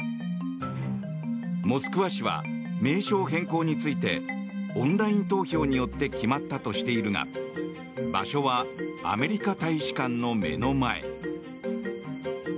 モスクワ市は名称変更についてオンライン投票によって決まったとしているが場所はアメリカ大使館の目の前。